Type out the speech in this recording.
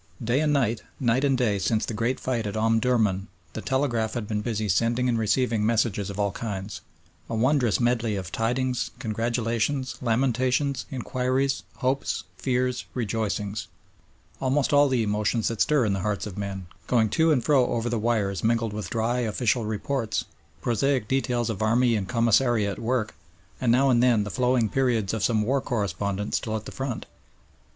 Day and night, night and day since the great fight at Omdurman the telegraph had been busy sending and receiving messages of all kinds: a wondrous medley of tidings, congratulations, lamentations, inquiries, hopes, fears, rejoicings; almost all the emotions that stir the hearts of men, going to and fro over the wires mingled with dry, official reports, prosaic details of army and commissariat work, and now and then the flowing periods of some war correspondent still at the front.